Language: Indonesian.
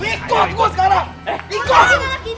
ikut gue sekarang ikut